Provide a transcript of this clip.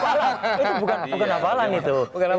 itu bukan hafalan itu